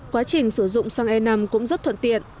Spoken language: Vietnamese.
quá trình sử dụng xăng e năm cũng rất thuận tiện